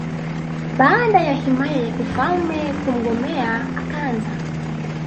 baada ya himaya ya kifalme kumgomea akaanza